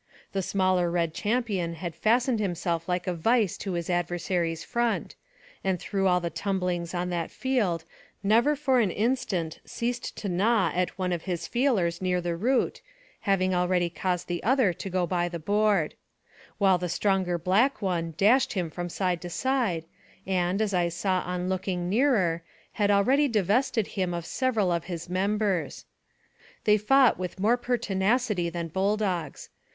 The smaller red champion had fastened himself like a vice to his adversary's front, and through all the tumblings on that field never for an instant ceased to gnaw at one of his feelers near the root, having already caused the other to go by the board; while the stronger black one dashed him from side to side, and, as I saw on looking nearer, had already divested him of several of his members. They fought with more pertinacity than bull dogs.